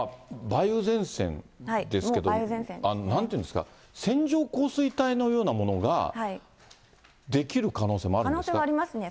梅雨前線ですけど、なんていうんですか、線状降水帯のようなものが出来る可能性もあるんですか。